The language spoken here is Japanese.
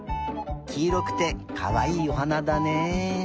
きいろくてかわいいおはなだね。